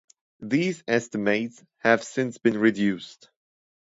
These estimates have since been reduced.